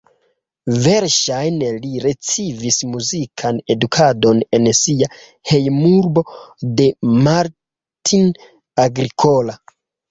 Verŝajne li ricevis muzikan edukadon en sia hejmurbo de Martin Agricola.